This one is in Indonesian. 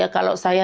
sebelas tahun saya